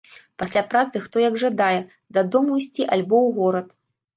Пасля працы хто як жадае, дадому ісці альбо ў горад.